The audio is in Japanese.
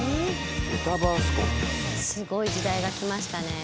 すごい時代が来ましたね。